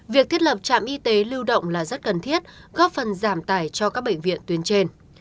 việc thiết lập trạm y tế lưu động là rất cần thiết góp phần giảm tải cho các bệnh viện tuyến trên